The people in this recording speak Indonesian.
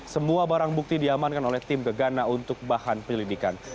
semua barang bukti diamankan oleh tim gegana untuk bahan penyelidikan